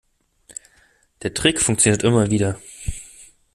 Der Trick funktioniert immer wieder.